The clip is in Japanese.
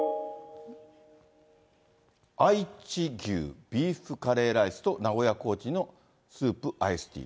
あいち牛ビーフカレーライスと名古屋コーチンのスープ、アイスティー。